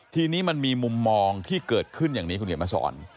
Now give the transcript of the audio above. ทีนี้มันมีมุมมองที่เกิดขึ้นอย่างนี้คุณเขียนมาสอน